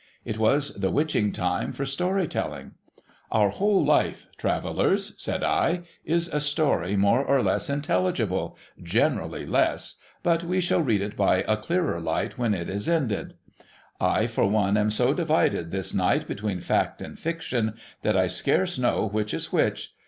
It was the witching time for Story telling. ' Our whole life, Travellers,' said I, ' is a story more or less intelligible, — generally less ; but we shall read it by a clearer light when it is ended. I, for one, am so divided this night between fact and fiction, that I scarce know which is which.